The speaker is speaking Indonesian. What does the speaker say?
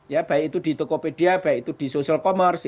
ya baik itu di tokopedia baik itu di social commerce